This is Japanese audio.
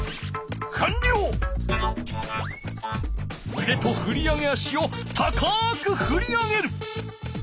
うでとふり上げ足を高くふり上げる。